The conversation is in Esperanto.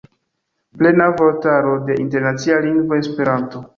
Plena vortaro de internacia lingvo Esperanto.